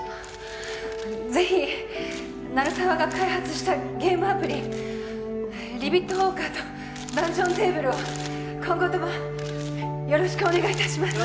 ぜひ鳴沢が開発したゲームアプリリビットウォーカーとダンジョンテーブルを今後ともよろしくお願いいたします